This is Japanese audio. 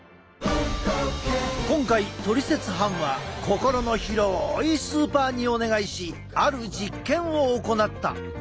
今回トリセツ班は心の広いスーパーにお願いしある実験を行った。